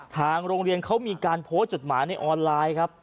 ทางโรงเรียนเขามีการโพสต์จดหมายในออนไลน์ครับ